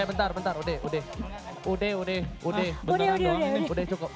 eh bentar bentar udeh udeh udeh udeh udeh udeh udeh udeh cukup